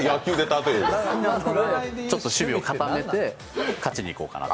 ちょっと守備を固めて勝ちに行こうかなと。